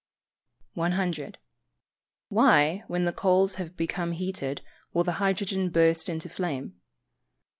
100. _Why, when the coals have become heated, will the hydrogen burst into flame?